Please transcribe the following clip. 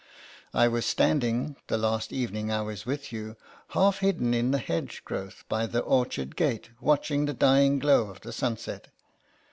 I was standing, the last evening I was with you, half hidden in the hedge GABRIEL ERNEST 57 growth by the orchard gate, watching the dying glow of the sunset.